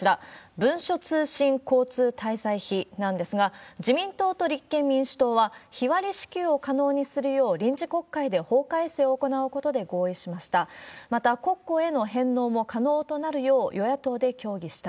文書通信交通滞在費なんですが、自民党と立憲民主党は日割り支給を可能にするよう、臨時国会で法改正を行うことで合意をしました。